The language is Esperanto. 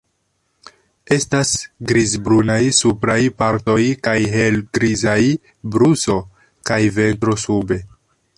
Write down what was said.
Estas grizbrunaj supraj partoj kaj helgrizaj brusto kaj ventro sube.